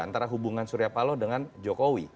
antara hubungan surya paloh dengan jokowi